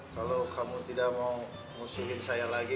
kalau kamu tidak mau ngusulin saya lagi